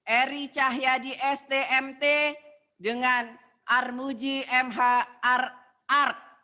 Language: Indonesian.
eri cahyadi stmt dengan armuji mhr